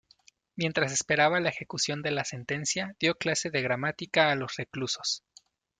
Mientras esperaba la ejecución de la sentencia, dio clase de Gramática a los reclusos.